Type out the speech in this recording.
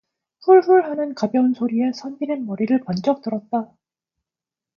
훌훌 하는 가벼운 소리에 선비는 머리를 번쩍 들었다.